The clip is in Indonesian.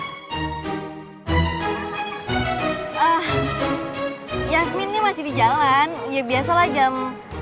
ah yasminnya masih di jalan ya biasalah jam